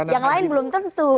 yang lain belum tentu